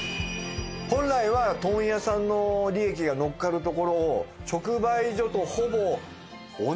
本来は問屋さんの利益がのっかるところを直売所とほぼ同じお値段で。